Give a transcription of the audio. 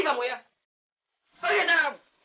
katau terima kasih kamu ya